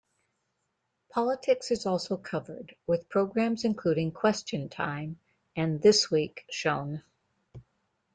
Politics is also covered, with programmes including "Question Time" and "This Week" shown.